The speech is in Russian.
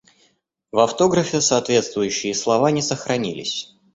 В автографе соответствующие слова не сохранились.